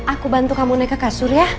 aku bantu kamu naik ke kasur ya